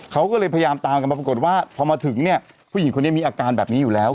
เขาก็เลยพยายามตามกันมาปรากฏว่าพอมาถึงเนี่ยผู้หญิงคนนี้มีอาการแบบนี้อยู่แล้ว